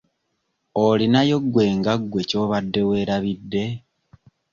Olinayo gwe nga gwe ky'obadde weerabidde?